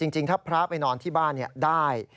จริงถ้าพระไปนอนที่บ้านได้